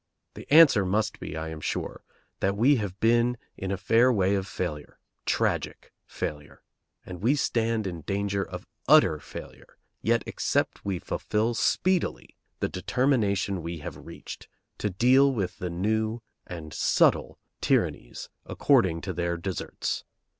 The answer must be, I am sure, that we have been in a fair way of failure, tragic failure. And we stand in danger of utter failure yet except we fulfil speedily the determination we have reached, to deal with the new and subtle tyrannies according to their deserts.